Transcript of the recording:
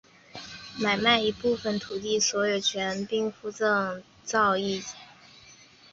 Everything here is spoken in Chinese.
买卖一部分土地所有权附随井灶交易的土地所有权的转让契约也就是这样产生的。